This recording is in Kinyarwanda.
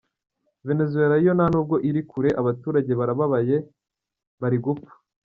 Venezuela yo nta nubwo iri kure, abaturage barababaye, bari gupfa.